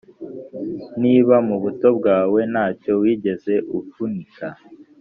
Niba mu buto bwawe nta cyo wigeze uhunika,